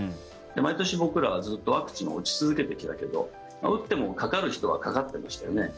毎年僕らはずっとワクチンを打ち続けてきたけど打ってもかかる人はかかってましたよね。